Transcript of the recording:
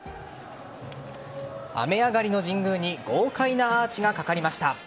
雨上がりの神宮に豪快なアーチがかかりました。